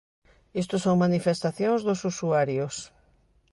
Isto son manifestacións dos usuarios.